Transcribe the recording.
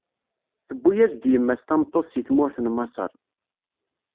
Tewwi-as-d yemma-s tameṭṭut si tmurt n Maṣer.